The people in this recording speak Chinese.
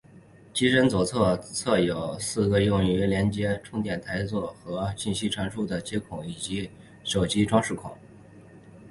机身左侧则有四个用于连接充电台座和信息传输的接孔以及手机挂饰孔。